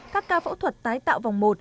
các ca phẫu thuật tái tạo vòng một